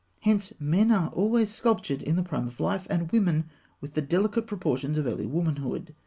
Hence men are always sculptured in the prime of life, and women with the delicate proportions of early womanhood.